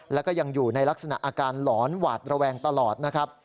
แล้วก็ยังอยู่ในลักษณะอาการหลอนหวาดระแวงตลอดนะครับ